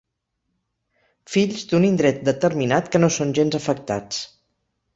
Fills d'un indret determinat que no són gens afectats.